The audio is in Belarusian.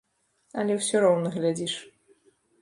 Але ўсё роўна глядзіш.